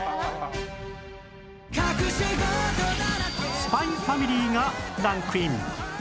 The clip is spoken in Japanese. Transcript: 『ＳＰＹ×ＦＡＭＩＬＹ』がランクイン